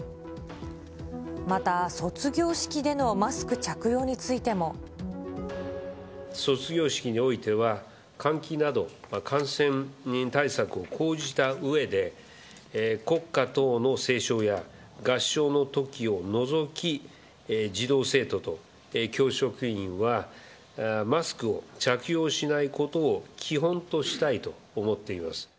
また、卒業式においては、換気など、感染対策を講じたうえで、国歌等の斉唱や合唱のときを除き、児童・生徒と教職員は、マスクを着用しないことを基本としたいと思っています。